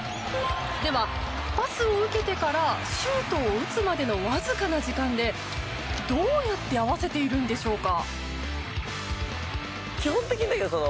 ではパスを受けてからシュートを打つまでのわずかな時間で、どうやって合わせているのでしょうか。